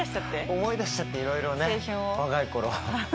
思い出しちゃっていろいろね若い頃。